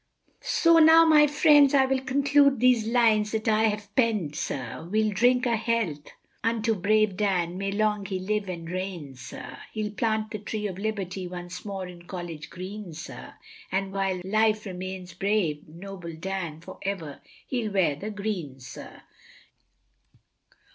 So now my friends I will conclude these lines that I have penn'd, sir, We'll drink a health unto brave Dan, long may he live and reign, sir, He'll plant the Tree of Liberty once more in College Green, sir, And while life remains brave noble Dan for ever he'll wear the green, sir.